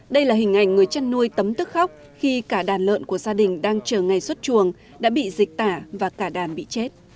đây là hình ảnh người chăn nuôi tấm tức khóc khi cả đàn lợn của gia đình đang chờ ngày xuất chuồng đã bị dịch tả và cả đàn bị chết